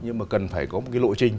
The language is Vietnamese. nhưng mà cần phải có một cái lộ trình